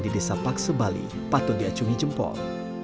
desa paksebali patogia cungijempol